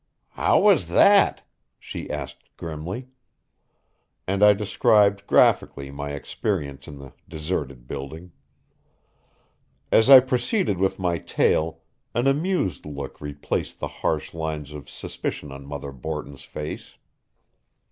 "How was that?" she asked grimly. And I described graphically my experience in the deserted building. As I proceeded with my tale an amused look replaced the harsh lines of suspicion on Mother Borton's face.